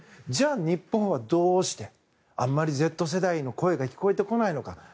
じゃあ日本はどうしてあんまりＺ世代の声が聞こえてこないのか。